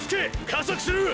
加速する！！